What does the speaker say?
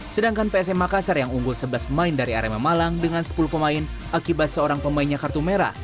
sedangkan psm makassar yang unggul sebelas pemain dari arema malang dengan sepuluh pemain akibat seorang pemainnya kartu merah